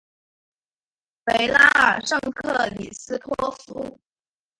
维拉尔圣克里斯托夫。